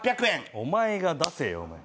お前が出せよお前。